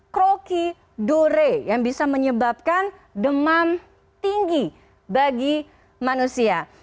krokidore yang bisa menyebabkan demam tinggi bagi manusia